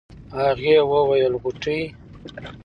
هغې وويل غوټۍ.